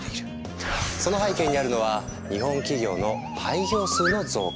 その背景にあるのは日本企業の廃業数の増加。